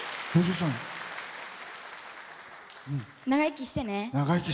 長生きしてね！